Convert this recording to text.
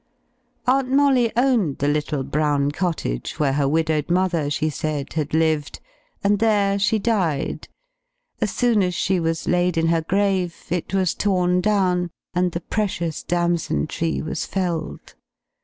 Aunt Molly owned the little brown cottage, where her widowed mother, she said, had lived, and there she died. As soon as she was laid in her grave, it was torn down, and the precious damson tree was felled.